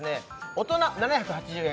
大人７８０円